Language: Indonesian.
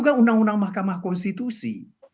itu juga undang undang mahkamah konstitusi